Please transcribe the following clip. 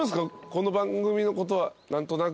この番組のことは何となくは。